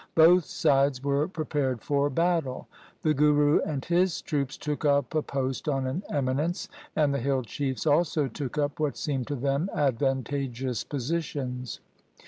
Both sides were prepared for battle. The Guru and his troops took up a post on an eminence, and the hill chiefs also took up what seemed to them advantageous positions.